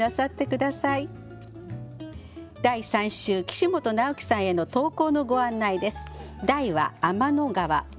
第３週岸本尚毅さんへの投稿のご案内です。